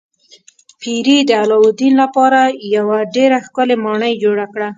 پیري د علاوالدین لپاره یوه ډیره ښکلې ماڼۍ جوړه کړه.